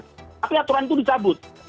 tapi aturan itu dicabut